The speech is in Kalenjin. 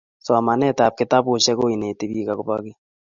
somanetab kitabushek koineti biik agoba kiiy